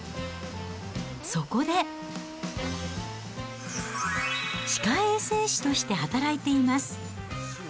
そこで、歯科衛生士として働いています。